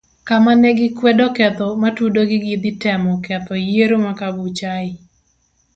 Kamane gikwede ketho matudogi gi dhi temo ketho yiero ma kabuchai.